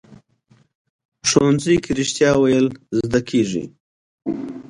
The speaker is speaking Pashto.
ښوونځی کې رښتیا ویل زده کېږي